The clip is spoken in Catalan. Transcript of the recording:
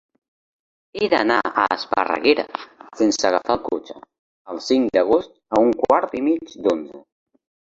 He d'anar a Esparreguera sense agafar el cotxe el cinc d'agost a un quart i mig d'onze.